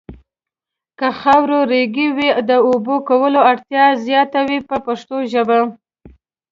که خاوره ریګي وي د اوبو کولو اړتیا یې زیاته وي په پښتو ژبه.